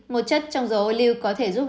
một chất trong dầu ô lưu có thể giúp